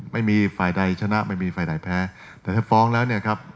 ไม่มีฝ่ายใดชนะไม่มีฝ่ายใดแพ้แต่ถ้าฟ้องแล้วเนี่ยครับ